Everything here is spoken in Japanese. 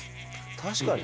確かにね。